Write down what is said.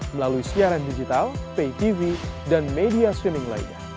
melalui siaran digital paytv dan media streaming lainnya